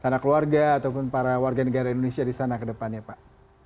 sana keluarga ataupun para warga negara indonesia di sana ke depannya pak